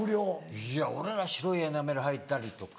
いや俺ら白いエナメル履いたりとか。